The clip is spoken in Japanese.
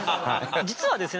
実はですね